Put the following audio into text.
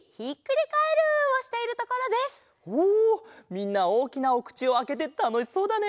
みんなおおきなおくちをあけてたのしそうだね！